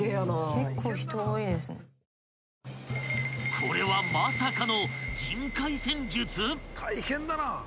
［これはまさかの］